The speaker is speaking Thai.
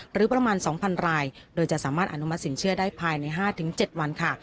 หรือประมาณ๒๐๐รายโดยจะสามารถอนุมัติสินเชื่อได้ภายใน๕๗วันค่ะ